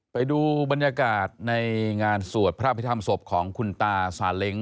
ไปดูบรรยากาศในงานสวดพระอภิษฐรรมศพของคุณตาสาเล้ง